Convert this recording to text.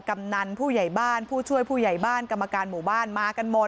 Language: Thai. กำนันผู้ใหญ่บ้านผู้ช่วยผู้ใหญ่บ้านกรรมการหมู่บ้านมากันหมด